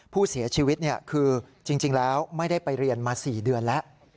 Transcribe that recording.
ผู้เสียชีวิตคือจริงแล้วไม่ได้ไปเรียนมา๔เดือนแล้ว